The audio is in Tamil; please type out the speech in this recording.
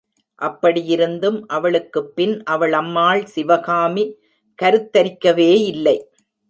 அப்படியிருந்தும், அவளுக்குப் பின் அவள் அம்மாள் சிவகாமி கருத்தரிக்கவே இல்லை.